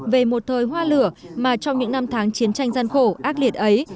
về một thời hoa lửa mà trong những năm tháng chiến tranh gian khổ ác liệt ấy